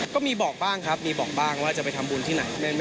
ก็มีบอกบ้างครับว่าจะไปทำบุญที่ไหนครับ